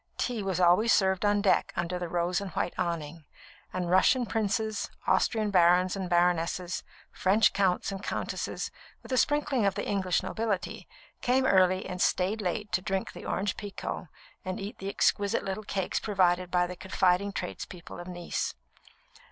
tea was always served on deck under the rose and white awning; and Russian princes, Austrian barons and baronesses, French counts and countesses, with a sprinkling of the English nobility, came early and stayed late to drink the Orange Pekoe and eat the exquisite little cakes provided by the confiding tradespeople of Nice.